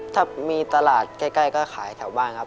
ถ้ามีตลาดใกล้ก็ขายแถวบ้านครับ